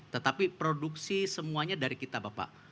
tetapi produksi semuanya dari kita bapak